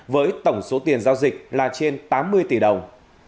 với tổng số tiền giao dịch là trên tám mươi tỷ đồng